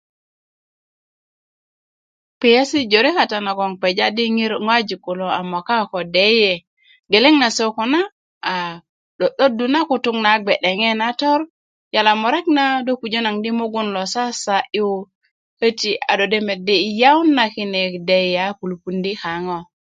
kpiyeesi jore kata nagoŋ kpeja di ŋojik kulo a moka ko deyiye geleŋ na koko na a 'do'dodu na kutu na tor yala murek na do pujö naŋ di mugun na sasa'yu köti a do de medi' yawun na kine deyiye a lupundi kaŋo